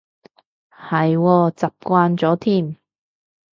係喎，習慣咗添